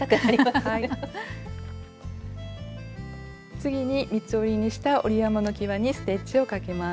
次に三つ折りにした折り山のきわにステッチをかけます。